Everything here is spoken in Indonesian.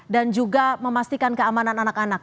dan juga memastikan keamanan anak anak